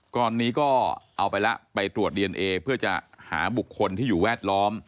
ตอนนี้ก็เอาไปแล้วไปตรวจดีเอนเอเพื่อจะหาบุคคลที่อยู่แวดล้อม